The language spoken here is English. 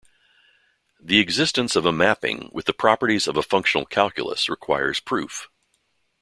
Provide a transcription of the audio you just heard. The existence of a mapping with the properties of a functional calculus requires proof.